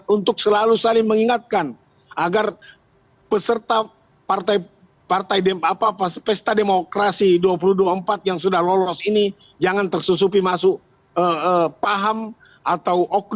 untuk selalu saling mengingatkan agar peserta demokrasi dua ribu dua puluh empat yang sudah lolos ini jangan tersusupi masuk paham atau oke